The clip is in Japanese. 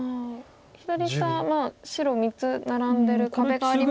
左下は白３つナラんでる壁がありますが。